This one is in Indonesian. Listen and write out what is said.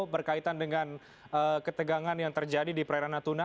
berkaitan dengan ketegangan yang terjadi di prairana tuna